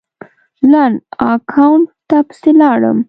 لنډ اکاونټ ته پسې لاړم